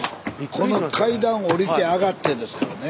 この階段下りて上がってですからね。